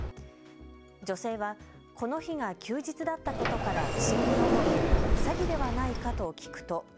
女性は、この日が休日だったことから不審に思い詐欺ではないかと聞くと。